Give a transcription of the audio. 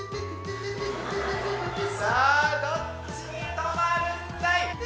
どっちに止まるんだい？